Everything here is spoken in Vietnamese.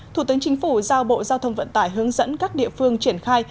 thủ tướng chính phủ giao bộ giao thông vận tải hướng dẫn các địa phương triển khai